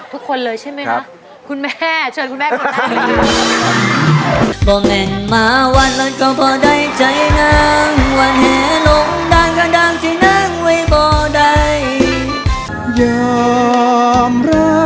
ทุกคนเลยใช่ไหมนะ